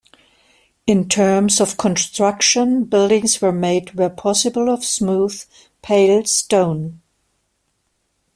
In terms of construction, buildings were made where possible of smooth, pale, stone.